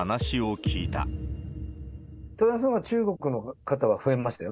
問い合わせは中国の方は増えましたよ。